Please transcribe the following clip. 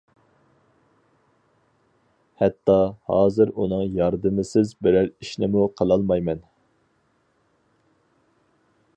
ھەتتا ھازىر ئۇنىڭ ياردىمىسىز بىرەر ئىشنىمۇ قىلالمايمەن.